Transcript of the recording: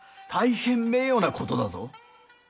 大変名誉な事だぞ。